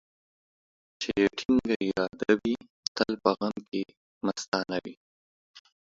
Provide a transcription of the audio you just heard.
چي يې ټينگه اراده وي ، تل په غم کې مستانه وي.